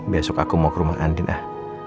besok aku mau ke rumah andin ah